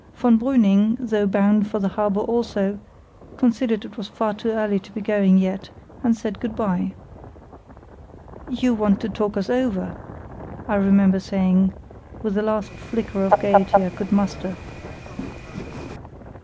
Von Brüning, though bound for the harbour also, considered it was far too early to be going yet, and said good bye. "You want to talk us over," I remember saying, with the last flicker of gaiety I could muster.